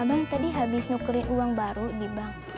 abang tadi habis nukuri uang baru di bank